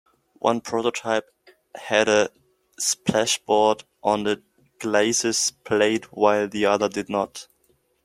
One prototype had a splashboard on the glacis plate while the other did not.